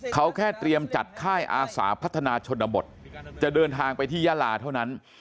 เขาแค่เตรียมจัดค่ายอาสาพัฒนาชนบทจะเดินทางไปที่ยาลาเท่านั้น